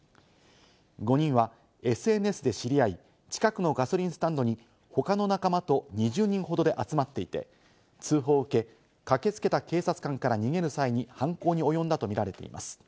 ５人はＳＮＳで知り合い、近くのガソリンスタンドに他の仲間と２０人ほどで集まっていて、通報を受け、駆けつけた警察官から逃げる際に犯行に及んだと見られています。